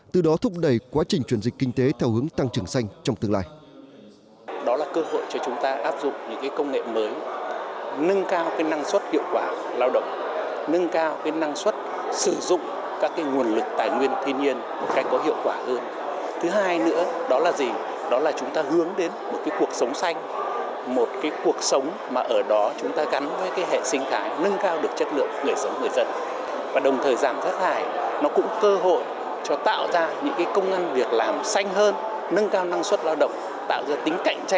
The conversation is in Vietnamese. từ đó thúc đẩy quá trình chuyển dịch kinh tế theo hướng tăng trưởng xanh trong tương lai